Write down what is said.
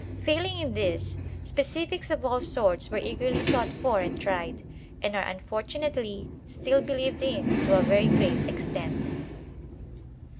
Failing in this, specifics of all sorts were eagerly sought for and tried, and are unfortunately still believed in to a very great extent.